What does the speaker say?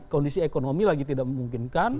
kondisi ekonomi lagi tidak memungkinkan